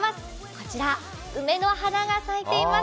こちら、梅の花が咲いています。